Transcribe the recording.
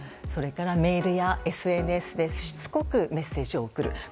それからメールやＳＮＳでしつこくメッセージを送る。